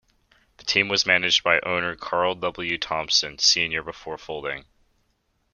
The team was managed by owner Carl W. Thompson, Senior before folding.